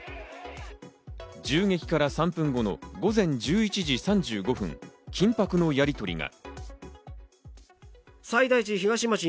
銃撃から３分後の午前１１時３５分、緊迫のやりとりが。